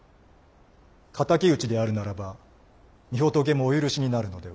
仇討ちであるならば御仏もお許しになるのでは。